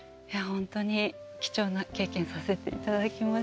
本当に貴重な経験させて頂きました。